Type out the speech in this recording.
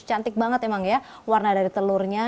cantik banget emang ya warna dari telurnya